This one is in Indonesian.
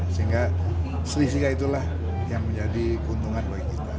sehingga selisihnya itulah yang menjadi keuntungan bagi kita